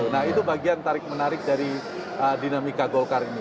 nah itu bagian tarik menarik dari dinamika golkar ini